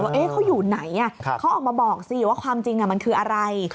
ว่าเขาอยู่ไหนเขาออกมาบอกสิว่าความจริงมันคืออะไร